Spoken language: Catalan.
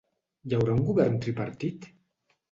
Hi haurà un govern tripartit?